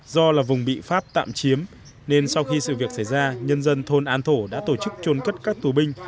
do là vùng bị phát tạm chiếm nên sau khi sự việc xảy ra nhân dân thôn an thổ đã tổ chức trôn cất các tù binh